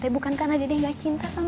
itu teh bukan karena dede gak cinta sama a'a